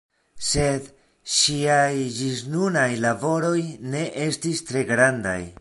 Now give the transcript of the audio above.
Sed ŝiaj ĝisnunaj laboroj ne estis tre grandaj.